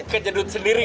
kayak jadul sendiri kan